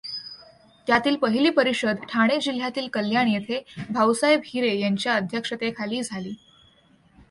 त्यातील पहिली परिषद ठाणे जिल्ह्यातील कल्याण येथे भाऊसाहेब हिरे यांच्या अध्यक्षतेखाली झाली.